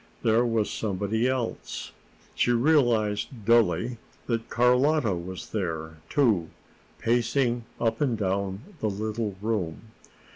There was somebody else. She realized dully that Carlotta was there, too, pacing up and down the little room.